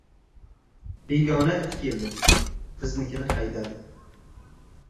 • Begona it keldi ― biznikini haydadi.